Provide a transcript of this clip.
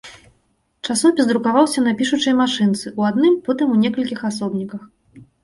Часопіс друкаваўся на пішучай машынцы ў адным, потым у некалькіх асобніках.